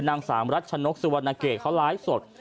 นางสาวรัชนกสุวรรณเกตเขาไลฟ์สด